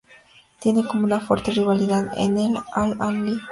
Tiene con una fuerte rivalidad con el Al-Ahly.